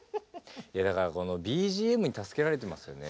いやだからこのＢＧＭに助けられてますよね。